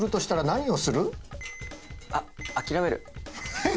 あ諦める。